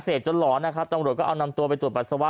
จนหลอนนะครับตำรวจก็เอานำตัวไปตรวจปัสสาวะ